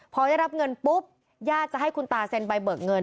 พอได้รับเงินปุ๊บญาติจะให้คุณตาเซ็นใบเบิกเงิน